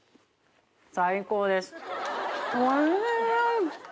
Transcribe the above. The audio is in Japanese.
最高ですおいしい。